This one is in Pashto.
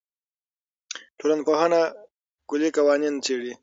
ټولنپوهنه کلي قوانین څېړي.